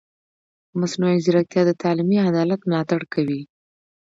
مصنوعي ځیرکتیا د تعلیمي عدالت ملاتړ کوي.